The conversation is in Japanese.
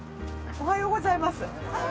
おはようございます。